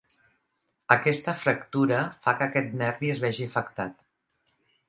Aquesta fractura fa que aquest nervi es vegi afectat.